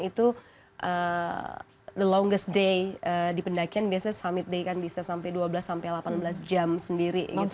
itu the longers day di pendakian biasanya summit day kan bisa sampai dua belas sampai delapan belas jam sendiri gitu